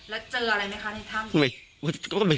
แล้วเจออะไรไหมคะในถ้ำ